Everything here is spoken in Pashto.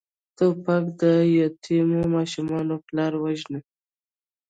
توپک د یتیمو ماشومانو پلار وژني.